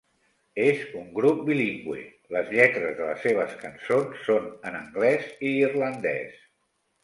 És un grup bilingüe, les lletres de les seves cançons són en anglès i irlandès.